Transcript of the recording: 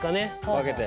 分けて？